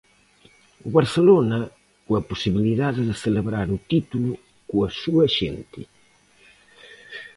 O Barcelona, coa posibilidade de celebrar o título coa súa xente.